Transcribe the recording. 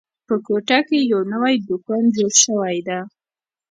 په کوټه کې یو نوی دوکان جوړ شوی ده